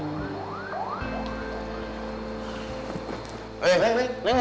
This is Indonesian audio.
eh neng neng mau ke mana